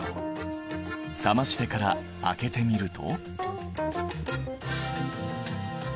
冷ましてから開けてみると。